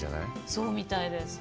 そうみたいです。